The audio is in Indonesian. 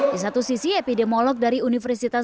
di satu sisi epidemiolog dari universitas